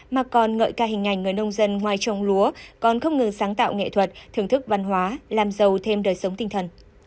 mà còn ngợi ca hình ảnh người nông dân ngoài trồng lúa còn không ngừng sáng tạo nghệ thuật thưởng thức văn hóa làm giàu thêm đời sống tinh thần